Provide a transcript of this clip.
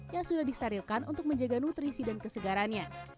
yang sudah disterilkan untuk menjaga nutrisi dan kesegarannya